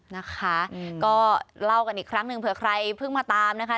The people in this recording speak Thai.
นะคะก็เล่ากันอีกครั้งหนึ่งเผื่อใครเพิ่งมาตามนะคะ